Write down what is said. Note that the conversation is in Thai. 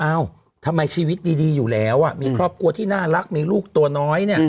ทำไมชีวิตดีอยู่แล้วมีครอบครัวที่น่ารักมีลูกตัวน้อยเนี่ย